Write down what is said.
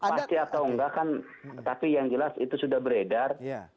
pasti atau enggak kan tapi yang jelas itu sudah beredar